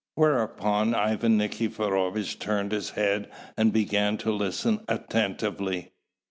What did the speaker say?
Whereupon Ivan Nikiforovitch turned his head and began to listen attentively.